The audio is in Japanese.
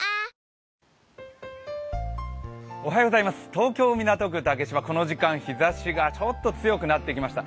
東京・港区竹芝、この時間日ざしがちょっと強くなってきました。